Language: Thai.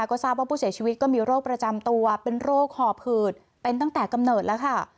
ก็ทราบว่าผู้เสียชีวิตก็มีโรคประจำตัวเป็นโรคห่อผืดเป็นตั้งแต่กำเนิดแล้วค่ะ